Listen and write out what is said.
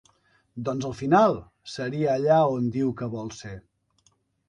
Doncs al final seria allà on diu que vol ser.